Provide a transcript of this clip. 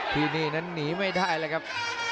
ที่นี่นั้นหนีไม่ได้เลยครับ